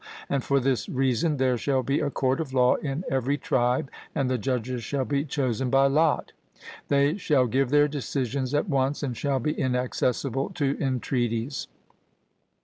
And for this reason there shall be a court of law in every tribe, and the judges shall be chosen by lot; they shall give their decisions at once, and shall be inaccessible to entreaties.